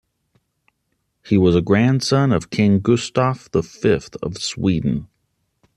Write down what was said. He was a grandson of King Gustaf the Fifth of Sweden.